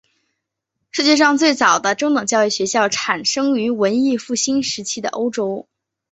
世界上最早的中等教育学校产生于文艺复兴时期的欧洲。